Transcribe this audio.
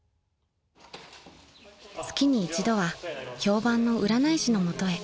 ［月に一度は評判の占い師の元へ］